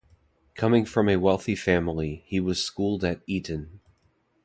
Coming from a wealthy family, he was schooled at Eton.